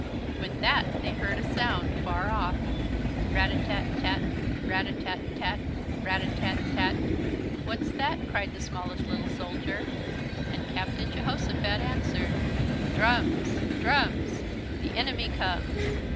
With that they heard a sound far off. Rat a tat tat. Rat a tat tat. Rat a tat tat. "What's that?" cried the smallest little soldier. And Captain Jehosophat answered: "Drums, drums, "The enemy comes!"